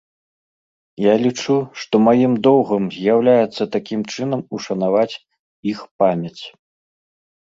Я лічу, што маім доўгам з'яўляецца такім чынам ушанаваць іх памяць.